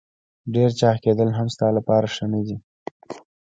ډېر چاغ کېدل هم ستا لپاره ښه نه دي.